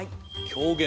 狂言。